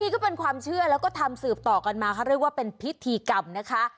นี่ก็เป็นความเชื่อแล้วก็ทำสืบต่อกันมาเขาเรียกว่าเป็นพิธีกรรมนะคะ